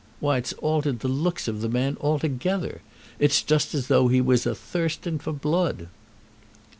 why, it's altered the looks of the man altogether. It's just as though he was a thirsting for blood."